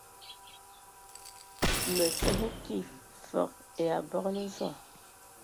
Mǝ sǝ hm kig fǝg ai abǝgǝlǝ Zɔg.